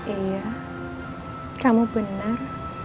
iya kamu bener